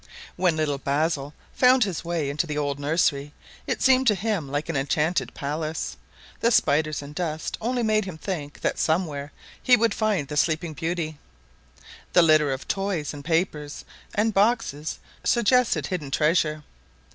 When little Basil found his way into the old nursery it seemed to him like an enchanted palace. The spiders and dust only made him think that somewhere he would find the "sleeping beauty." The litter of toys and paper and boxes suggested hidden treasure.